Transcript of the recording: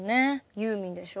ユーミンでしょ